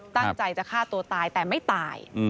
ตั้งใจจะฆ่าตัวตายแต่ไม่ตาย